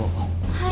はい。